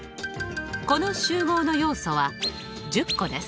この集合の要素は１０個です。